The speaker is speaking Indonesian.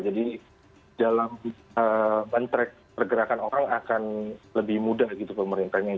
jadi dalam pergerakan orang akan lebih mudah gitu pemerintahnya